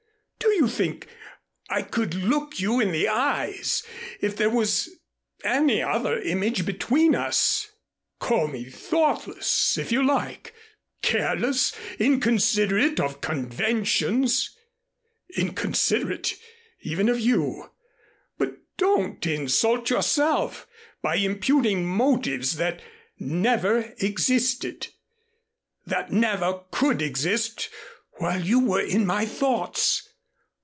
Do you think I could look you in the eyes if there was any other image between us? Call me thoughtless, if you like, careless, inconsiderate of conventions, inconsiderate even of you, but don't insult yourself by imputing motives that never existed that never could exist while you were in my thoughts.